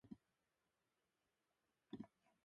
妹が大好き